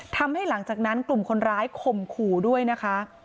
ทำให้หลังจากนั้นกลุ่มคนร้ายข่มขู่ด้วยนะคะ